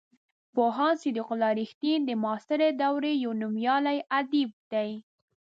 پوهاند صدیق الله رښتین د معاصرې دورې یو نومیالی ادیب دی.